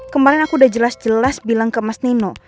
kemarin aku udah jelas jelas bilang ke mas nino